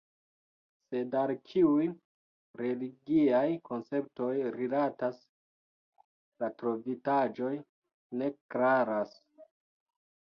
Sed al kiuj religiaj konceptoj rilatas la trovitaĵoj, ne klaras.